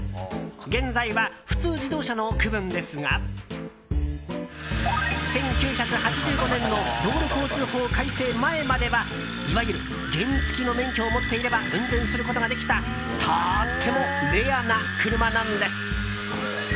現在は普通自動車の区分ですが１９８５年の道路交通法改正前まではいわゆる原付の免許を持っていれば運転することができたとってもレアな車なんです。